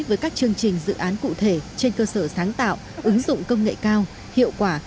với các chương trình dự án cụ thể trên cơ sở sáng tạo ứng dụng công nghệ cao hiệu quả